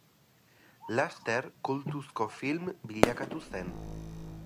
Laster kultuzko film bilakatu zen.